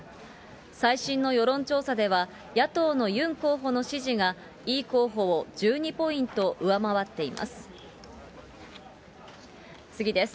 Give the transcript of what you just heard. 最新の世論調査では、野党のユン候補の支持が、イ候補を１２ポイント上回っています。